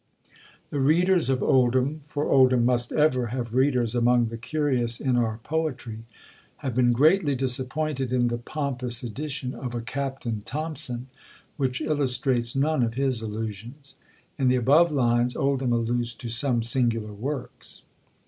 The readers of Oldham, for Oldham must ever have readers among the curious in our poetry, have been greatly disappointed in the pompous edition of a Captain Thompson, which illustrates none of his allusions. In the above lines Oldham alludes to some singular works.